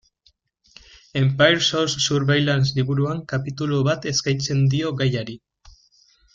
Empire sous Surveillance liburuan kapitulu bat eskaintzen dio gaiari.